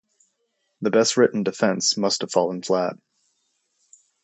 The best written defense must have fallen flat.